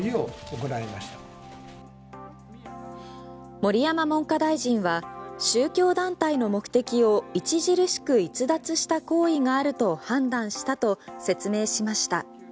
盛山文科大臣は宗教団体の目的を著しく逸脱した行為があると判断したと説明しました。